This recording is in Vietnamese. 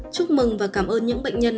chúc mừng và cảm ơn những bệnh nhân